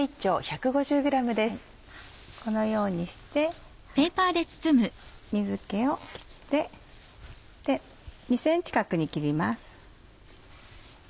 このようにして水気を切って２ｃｍ角に切ります。